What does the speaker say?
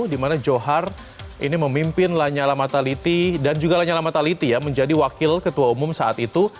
dimana johar ini memimpin lanyala mataliti dan juga lanyala mataliti ya menjadi wakil ketua umum saat itu